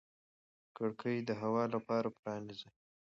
کړکۍ د هوا لپاره پرانیزئ.